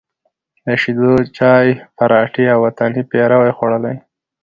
د شېدو چای، پراټې او وطني پېروی خوړلی،